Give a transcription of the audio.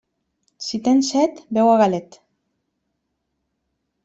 Si tens set, beu a galet.